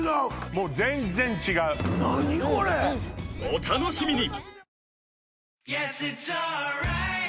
お楽しみに！